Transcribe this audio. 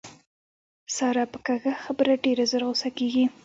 ساره په کږه خبره ډېره زر غوسه کېږي.